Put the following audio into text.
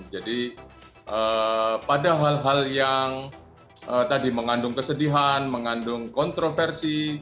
jadi pada hal hal yang tadi mengandung kesedihan mengandung kontroversi